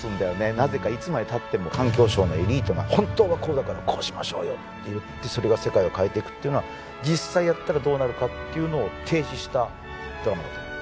なぜかいつまでたっても環境省のエリートが本当はこうだからこうしましょうよって言ってそれが世界を変えていくってのは実際やったらどうなるかっていうのを提示したドラマだと思います